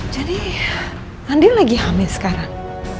jadi andin lagi hamil sekarang